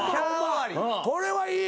これはいい。